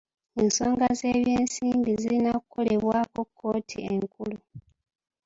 Ensonga z'eby'ensimbi zirina kukolebwako kkooti enkulu.